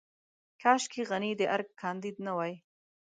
کاشکې غني د ارګ کانديد نه وای.